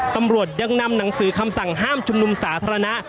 ตำรวจยังนำหนังสือคำสั่งห้ามชุมนุมสาธารณะ